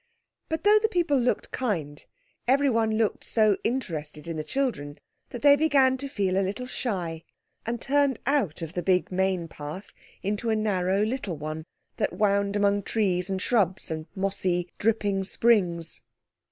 But though the people looked kind everyone looked so interested in the children that they began to feel a little shy and turned out of the big main path into a narrow little one that wound among trees and shrubs and mossy, dripping springs.